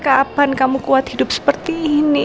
kapan kamu kuat hidup seperti ini